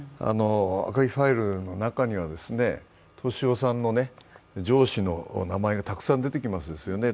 赤木ファイルの中には俊夫さんの上司の名前がたくさん出てきますよね。